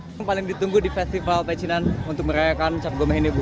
apa yang paling ditunggu di festival pecinan untuk merayakan cap gome ini bu